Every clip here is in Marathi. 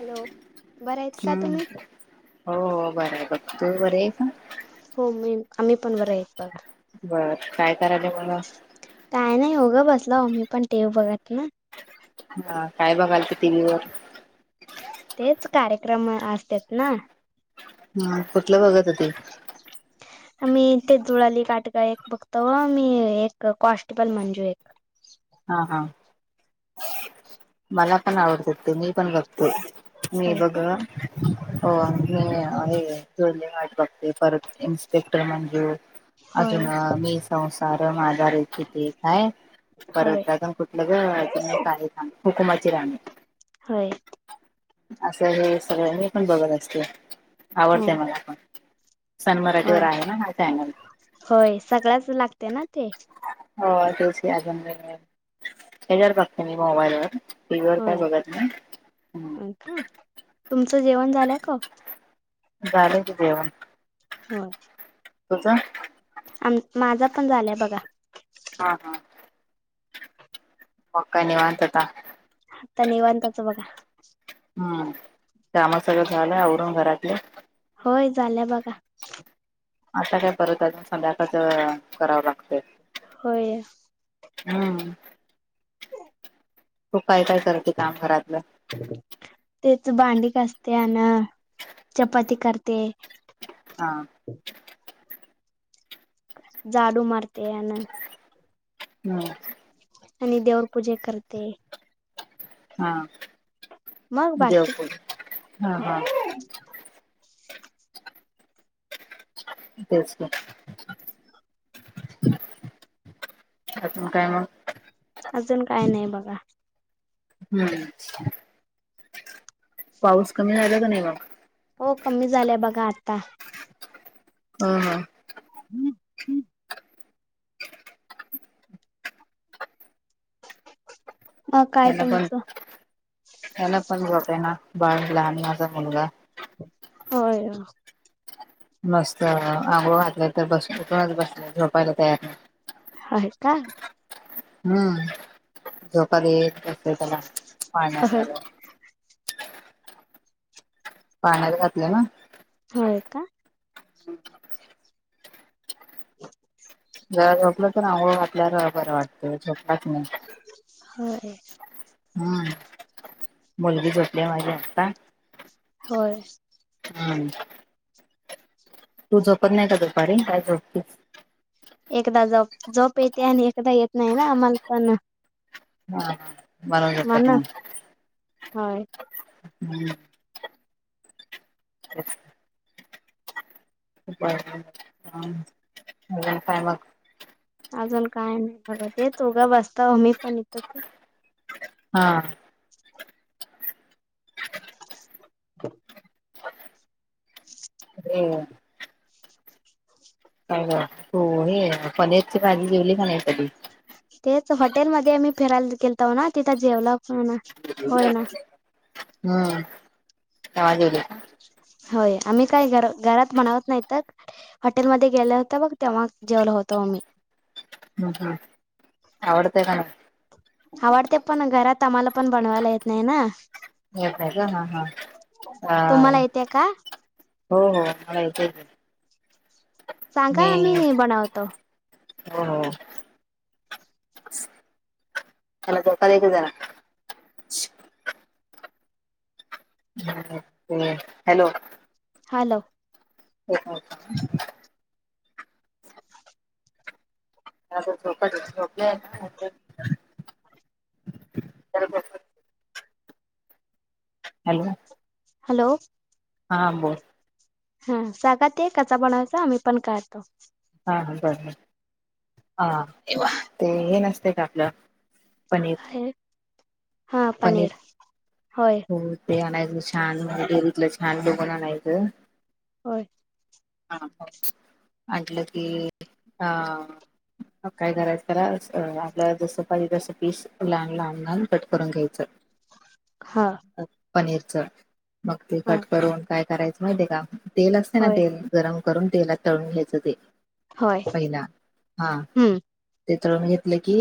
हॅलो, बरं आहेत का हम्म, तुम्ही? हो बरं बघ तू बर आहे का? हो मी आम्ही पण बरं आहे बघा, बरं काय करायले मग, काय नाही होगं बसलं हो मी पण टीव्ही बघत ना, हा काय बघाल ते टीव्ही वर तेच कार्यक्रम असतात ना, ह कुठलं बघत हो ते, [unintelligible] मी ते जुळली एक गाठ एक बघतो. मी एक कॉन्स्टेबल मंजू बघतो. हा हा, मला पण आवडत ते मी पण बघते. मी होय बघ का? हो मी जुळले गाठ बघते परत इन्स्पेक्टर मंजू, अजून होय मी संसार माझा रेखिते काय, होय परत अजून कुठलं ग अजून एक आहे थांब, हुकमाची राणी होय असं हे सगळ्यांनी पण बघत असते. हो आवडतय मला पण सन मराठीवर होय आहे ना हा चॅनल, होय सगळ्याच लागते ना ते, हो तेच अजून ह्याच्यावर बघते मी मोबाईल वर, टीव्ही वर काही बघत नाही. हा तुमचं जेवण झालं का? झालं की जेवण होय, तुझ, आम माझं पण झालंय बघा, हा हा हा मग काय निवांत आता आता निवांताच बघा हम्म कामा सगळं झालंय आवरून घरातलं होय झाल्या बघा, आता काय परत अजून सध्याकाळच करावं लागत होय! हम्म! तु काय काय करते काम घरातलं? तेच भांडी घासते अन चपाती करते. हा! झाडू मारते अन हम्! आणि देवर पूजे करते. हा मग बाकी देवपु हा हा. तेच की अजून काय मग अजून काय नाही बघा. हम्म. पाऊस कमी झाला का नाही मग? हो कमी झालं बघा आता हा हा. मग काय त्याना पण तुमचं त्याला पण जात आहे ना बाळला आणि माझा मुलगा होय. मस्त आंगोळ घातलाय तर बस ऊठूनच बस झोपायला तयार नाही. आहे का? हम्म झोका देत बसते त्याला पाळण्यात होय घालून. पाळण्यात घातलं ना. होय का? ह. जरा झोपलं तर अंघोळ घातल्याला बरं वाटतं झोपलाच नाही. होय. हम्म मुलगी झोपल्या माझी आता होय. हम्म. तू झोपत नाही का दुपारी का झोपते? एकदा जप झोप येते आणि एकदा येत नाही ना म्हणताना हा हा म्हणून झोपत म्हण नाही. होय. हम्म [unintelligible] ह [unintelligible] काय मग [unintelligible] अजून काय नाही बघ ते च उघा बसता आ मी पण इथंच. हा. [unintelligible] [unintelligible] हम्. काय ग अ तू हे पनीरची भाजी जेवली का नाही कधी? तेच हॉटेलमध्ये आम्ही फिरायला गेलतो ना तिथं जेवला ना. होय ह तवा जेवली? होय आम्ही कायर घरात म्हनवत नाही तर हॉटेलमध्येध्ये गेलं होत बग तेव्हा जेवलं होतं मि हम् हम् आवडते का? आवडते पण घरात आम्हाला पण बनवायला येत नाही ना. हेेतयच हा हा तुम्हाला येते का हो हो मला येतच आहे. सांगा आम्ही बनवतो. हो हो त्यालाोका एक जरा हॅलो. हॅलो. ओकाा. ोप [inaudible] हॅलो हॅलो हां बोल हा सागाात ये कचा बनयचा आम्ही पण करतो. हा ह बर हा ते हे नसते का आपलं पनीर काय पनीर होय हो ते आणायचं छान म्हणजे देरीतलं छान लोघन आणायचं हो. हा अटलं की अ हो काय करायच त्याला आपलं जसं पाजस पी लहान लहान लहान कट करून घ्यायचं. हा पनीरच मग ते हा कट करून काय करायचं माहिती आहे का तेल असते ना होय तेल गरम करून तेलात तळून घ्यायचं ते होय पहिला हा हम्म ते तर घेतलं की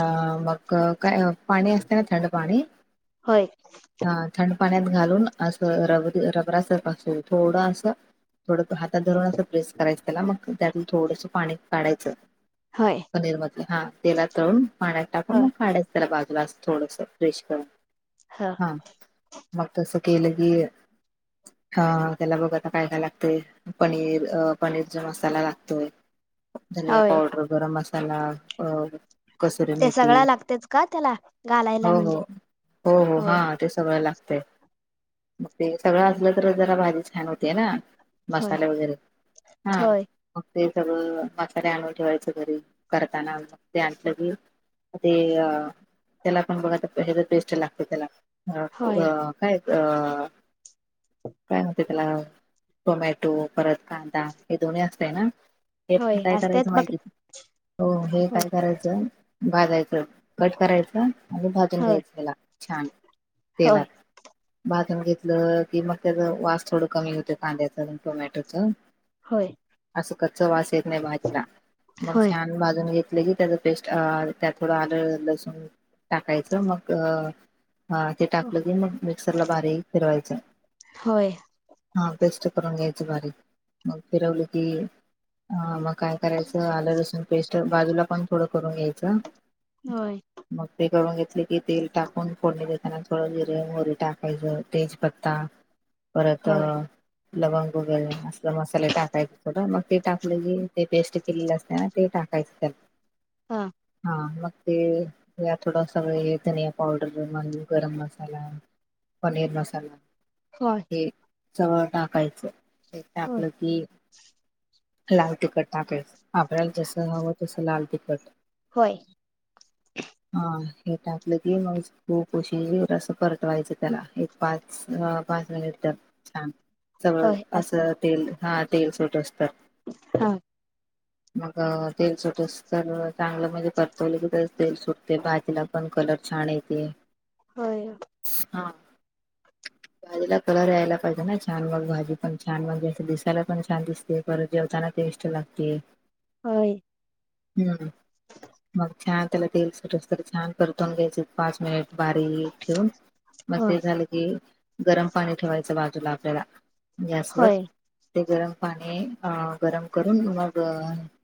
ह मग काय पाणी असते ना थंड पाणी होय. हा थंड पाण्यात घालून असं रब रबरास पाास थोडं असं थोडं हातात धरून असं प्रेस करायचं त्याला मग त्यातून थोडंस पाणी काढायचं होय पनीर मध्ये हा तेला तळून पाण्यात टाकून होय मग काडायच. त्याला बाजूला थोडस फ्रेश करा हा हा मग तसं केलं की हा त्याला बघा आता काय काय लागते पनीर अ पनीरचा मसाला लागतोय धनिया होय पावडर गरम मसाला ते कसरमती सगळं लागतेच का त्याला हो घालायला हो म्हणजे हो हो होय हा ते सगळं लागतय मग ते सगळं असलं तर जरा भाजी छान होते ना होय मसाला वगैरे हा होय मग ते सगळं मसाल्या आं ठेवायचं घरी करताना मग ते आणलं की ते अ त्याला पण बघा ह्या बेस्ट लागते त्याला अ होय अ काय अअ काय होते त्याला झोमॅटो परत कांदा हे दोन्ही असतय ना हे पण होय काय असतेच करायचं बघ माहिती हो हे होय काय करायचं भाजायचं कट करायचा आणि भाजून होय घ्यायचं त्याला छान तेलात. होय भाजम घेतलं की मग त्याचा वास थोडं कमी होत कांद्याच टोमॅटोच होय. असं कच्च वास येत नाही भाजीला मग होय छान भाजून घेतलं की त्याच पेस्ट त्यात थोडं आलं लसून टाकायचं मग ते टाकलं क मग मिक्सरला भारी फिरवायचं. होय हा बेस्ट करून घ्यायच बारीक मग फिरवलं की अ मग काय करायचं आलं लसण पेस्ट तर बाजूला पण थोडं करून घ्यायचं होय. मग ते करून घेतले की तेल टाकून फोडणी देताना थोडं जिरे मोरी टाकायचं तेजपत्ता [inaudible] परत लवंग वगैरे अस मसाले टाकायचे थोडं मग ते टाकलं जे ते पेस्ट केलेलं असते ना ते टाकायचं त्याला हा मग ते ह थोडं सगळ हे धनिया पावडर बनवालू गरम मसाला पणीर मसाला हो. हे सवळ टाकायचं ते टाकलं की लाल तुिकट टाकायच आपल्याला जस हवं तसं लाल तिखट [inaudible] हा हे टाकलेत म हो कशी असं परतवायचं त्याला एक पाच पाच मिनिट तर छान जवळ असं तेल हा तेल सुोट असत हा मग तेल सुटस तर चांगलं म्हणजे परतवलं की तर तेल सुटते भाजीला पण कलर छान येते हो हा भाजीला कलर यायला पाहिजे ना छान मग भाजी पण छान म्हणजे दिसायला पण छान दिसते परत जेवताना टेस्ट लागते होय हम्म मग च त्याला तेल सुटस छान परतून घ्यायचे पाच मिनिट बारी ठेवून मग ते झाले गरम पाणी ठेवायच बाजूला आपल्याला गॅसवर ते गरम पाणी अ गरम करून मग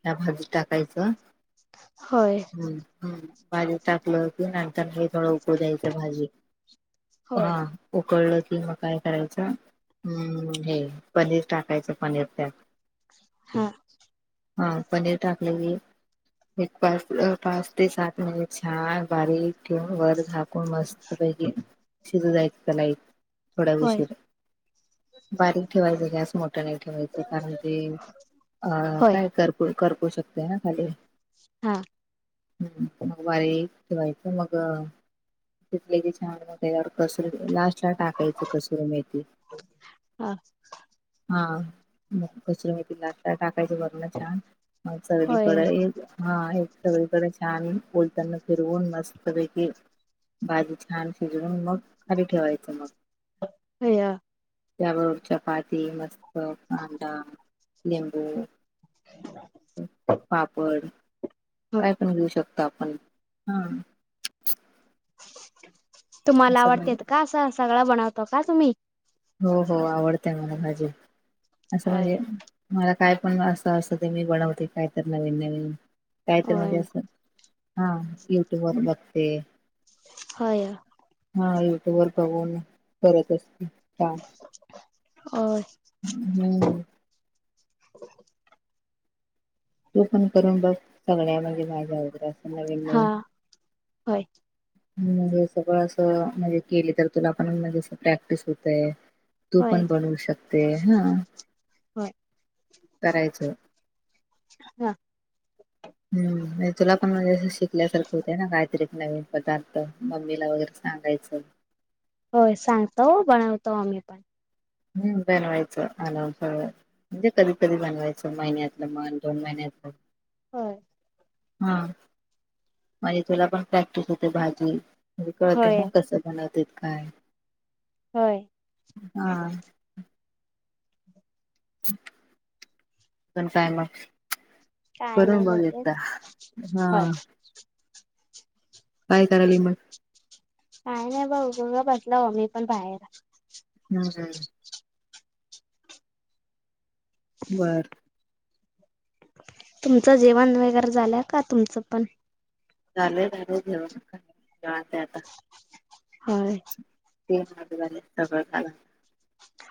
या भाजीत टाकायचं ह् हम् भाजी टाकलं होती नंतर उको द्यायच भाजी हा उकळलं की म काय करायच ह् हे पनीर टाकायचं पनीर त्यात हा पनीर टाकलेली एक पाच पाच ते सात मिनिट छान बारीक ठेवन वर झा मस्त पैकी शिज जायचं त्याला थोड्या विशीर बारीक ठेवायचं ग ठेवायच कारण ते अ होय काय कर करू शकते ना खाली हा हम् मग वारी ठेवायचं मग तले की छान म त्याच्यावर कसर लास्ट ला टाकायच कसर मेथी हा हा म कसर मती लाता टाकायच बरण छान मग सगडी होय पडे हा एक सगळीकडे छान बोलताना फिरवून मस्त देखील भाजी छान शिजून मग खाली ठेवायचं मग अया त्याबरोबर चपाती मस्त कांदा लिंबू हो पापड काय पण घेऊ शकतो आपण हा तुम्हाला असं म्हण आवडते का असं सगळं बनवतो का तुम्ही हो हो आवडतय मला भाजी असं होय म्हणजे मला काय पण असं असं ते मी बनवते काय तर नवीन नवीन काय तर होय म्हणजे असं हा युट्यूब ववर बघते हो हा युट्यूब वर बघून करत असते अ हम्म तू पण करून बघ सगळ्या माे माझ्या वैरे असं नवीन हा नवीन होय म्हणजे सगळं असं म्हणजे केली तर तुला पण म्हणजे प्रॅक्टिस होतय तू होय पण बनवू शकते हा होय करायचं हा हम्म तुला पण म्हणजे शिकल्यासारखं होते ना, काहीतरी नवीन पदार्थ मम्मीला वगैरे स सांगायचं. होय सांगतो बनवतो आम्ही पण. हम्म बनवायच आणून प म्हणजे कधी कधी बनवायचं महिन्यातन म्हन दोन महिन्यातन. ह. हा म्हणजे तुला पण प्रॅक्टिस होते भाजी म्ह कळते होय ना कस बनवतेत काय. होय. हा. पण काय मग. काय नाही करून बघ एकदा हा. होय काय करायली मग काय नाही बघंग [unintelligible] बटला हो मी पण बाहेर. हम् हम् [unintelligible] बरं. तुमचं जेवण वगैरे झालंय का तुमचं पण. चाले झाले झाल जेवन [unintelligible] ठेव आता होय. तेझ सगळ झा [unintelligible]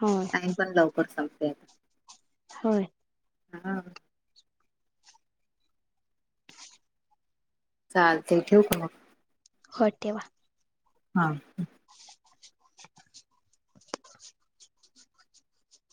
होय. आम्ही पण लवकर संपते होय. हा. चालतील ठिवक मग. हो ठेवा. हा. [inaudible]